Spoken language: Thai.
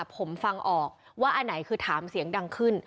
ผมฟังออกว่าอันไหนคือถามเสียงดังขึ้น